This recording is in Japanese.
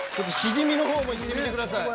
シジミの方もいってみてください。